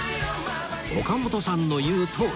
岡本さんの言うとおり！